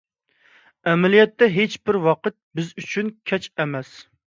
ئەمەلىيەتتە ھېچبىر ۋاقىت بىز ئۈچۈن كەچ ئەمەس.